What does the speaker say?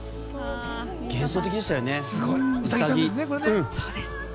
幻想的でしたよね。